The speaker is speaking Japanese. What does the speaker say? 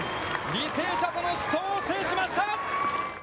履正社との死闘を制しました！